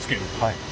はい。